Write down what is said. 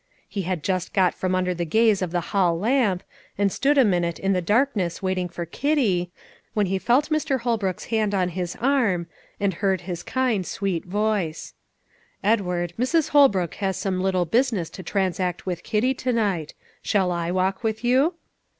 He had just got from under the gaze of the hall lamp, and stood a minute in the darkness waiting for Kitty, when he felt Mr. Holbrook's hand on his arm, and heard his kind, quiet voice: "Edward, Mrs. Holbrook has some little business to transact' with Kitty to night; shall I walk with you?"